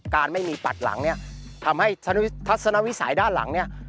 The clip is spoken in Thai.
การไม่มีปัดหลังเนี่ยทำให้ทัศนวิสัยด้านหลังเนี่ย